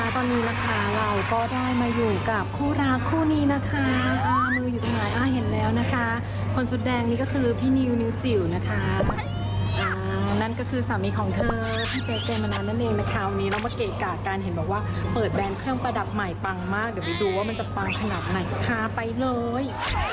ตอนนี้นะคะเราก็ได้มาอยู่กับคู่รักคู่นี้นะคะมืออยู่ตรงไหนเห็นแล้วนะคะคนชุดแดงนี่ก็คือพี่นิวนิวจิ๋วนะคะนั่นก็คือสามีของเธอพี่เป๊กเจมนานั่นเองนะคะวันนี้เรามาเกะกะกันเห็นบอกว่าเปิดแบรนด์เครื่องประดับใหม่ปังมากเดี๋ยวไปดูว่ามันจะปังขนาดไหนนะคะไปเลย